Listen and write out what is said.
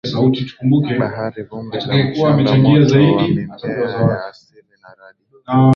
bahari vumbi la mchanga moto wa mimea ya asili na radi